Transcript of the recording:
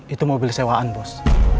itu mobil sewaan bos